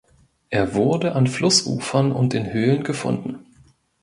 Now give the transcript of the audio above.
Er wurde an Flussufern und in Höhlen gefunden.